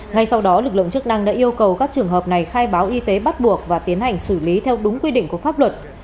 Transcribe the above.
ngay sau đó lực lượng chức năng đã yêu cầu các trường hợp này khai báo y tế bắt buộc và tiến hành xử lý theo đúng quy định của pháp luật